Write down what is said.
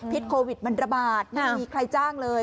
โควิดมันระบาดไม่มีใครจ้างเลย